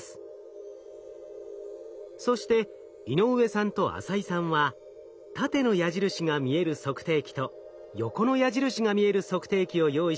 そして井上さんと浅井さんは縦の矢印が見える測定器と横の矢印が見える測定器を用意します。